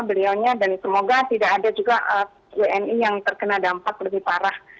beliau nya dan semoga tidak ada juga wni yang terkena dampak lebih parah